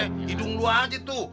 hidung lu aja tuh